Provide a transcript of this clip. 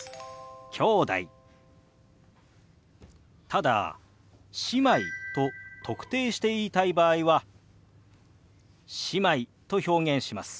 ただ「姉妹」と特定して言いたい場合は「姉妹」と表現します。